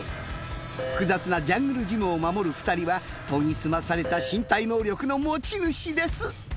複雑なジャングルジムを守る２人は研ぎ澄まされた身体能力の持ち主です。